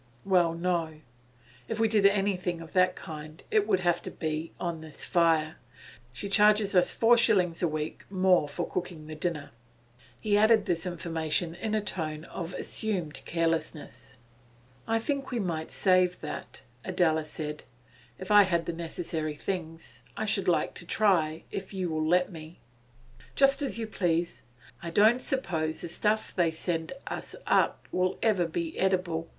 'Well, no. If we did anything of that kind, it would have to be on this fire. She charges us four shillings a week more for cooking the dinner.' He added this information in a tone of assumed carelessness. 'I think we might save that,' Adela said. 'If I had the necessary things I should like to try, if you will let me.' 'Just as you please. I don't suppose the stuff they send us up will ever be very eatable.